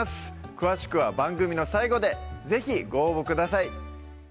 詳しくは番組の最後で是非ご応募ください